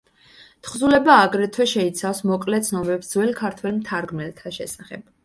თხზულება აგრეთვე შეიცავს მოკლე ცნობებს ძველი ქართველ მთარგმნელთა შესახებ.